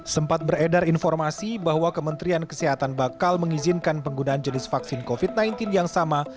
sempat beredar informasi bahwa kementerian kesehatan bakal mengizinkan penggunaan jenis vaksin covid sembilan belas yang sama